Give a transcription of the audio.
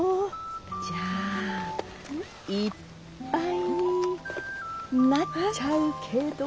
じゃあいっぱいになっちゃうけど。